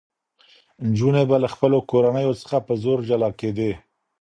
نجونې به له خپلو کورنیو څخه په زور جلا کېدې.